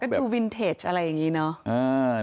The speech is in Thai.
ดูวินเทจอะไรอย่างนี้เนอะ